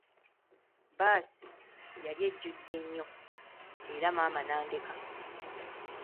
Bbaasi yali ejjude nnyo, era maama n'andeka.